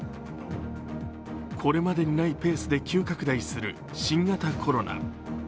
これまでにないペースで急拡大する新型コロナ。